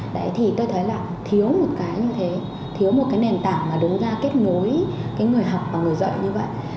đấy thì tôi thấy là thiếu một cái như thế thiếu một cái nền tảng mà đứng ra kết nối cái người học và người dạy như vậy